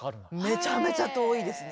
めちゃめちゃ遠いですね。